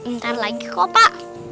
ntar lagi kok pak